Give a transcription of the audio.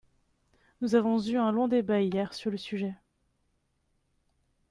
Nous avons eu un long débat hier sur le sujet.